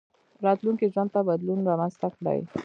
راتلونکي ژوند ته بدلون رامنځته کړئ.